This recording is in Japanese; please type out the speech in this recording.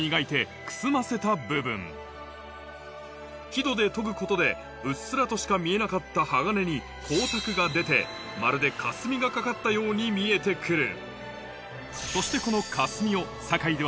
木砥で研ぐことでうっすらとしか見えなかった鋼に光沢が出てまるで霞がかかったように見えて来る